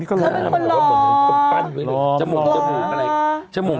เขาเป็นคนหลอ